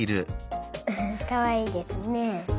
フフッかわいいですね。